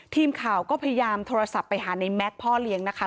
ทีมข่าวก็พยายามโทรศัพท์ไปหาในแม็กซ์พ่อเลี้ยงนะคะ